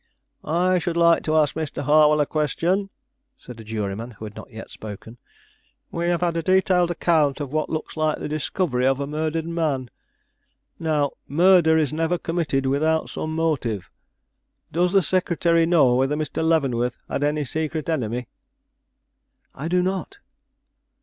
"I should like to ask Mr. Harwell a question," said a juryman who had not yet spoken. "We have had a detailed account of what looks like the discovery of a murdered man. Now, murder is never committed without some motive. Does the secretary know whether Mr. Leavenworth had any secret enemy?" "I do not."